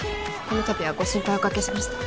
この度はご心配おかけしました